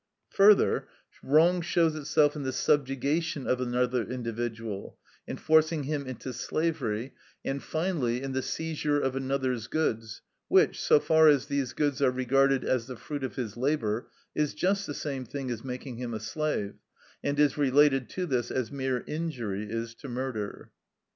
Further, wrong shows itself in the subjugation of another individual, in forcing him into slavery, and, finally, in the seizure of another's goods, which, so far as these goods are regarded as the fruit of his labour, is just the same thing as making him a slave, and is related to this as mere injury is to murder.